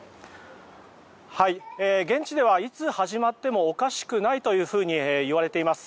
現地ではいつ始まってもおかしくないといわれています。